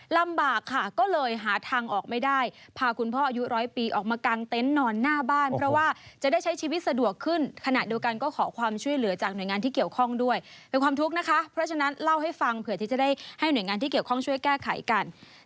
ลำบากค่ะก็เลยหาทางออกไม่ได้พาคุณพ่ออายุร้อยปีออกมากางเต็นต์นอนหน้าบ้านเพราะว่าจะได้ใช้ชีวิตสะดวกขึ้นขณะเดียวกันก็ขอความช่วยเหลือจากหน่วยงานที่เกี่ยวข้องด้วยเป็นความทุกข์นะคะเพราะฉะนั้นเล่าให้ฟังเผื่อที่จะได้ให้หน่วยงานที่เกี่ยวข้องช่วยแก้ไขกัน